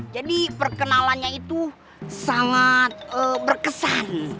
jadi perkenalannya itu sangat berkesan